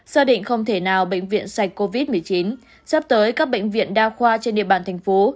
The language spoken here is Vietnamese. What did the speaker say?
xác định không thể nào bệnh viện sạch covid một mươi chín sắp tới các bệnh viện đa khoa trên địa bàn thành phố